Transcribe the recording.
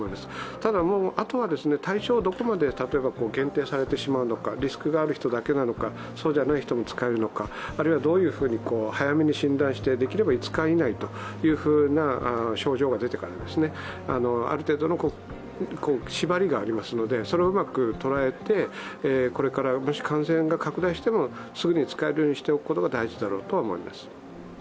ただあとは、対象をどこまで限定されてしまうのかリスクがある人だけなのかそうじゃない人に使えるのか、あるいは、どういうふうに、早めに診断して、できれば症状が出てから５日以内というある程度の縛りがありますのでそれをうまく捉えて、これからもし感染が拡大してもすぐに使えるようにしておくことが大事だろうと思います。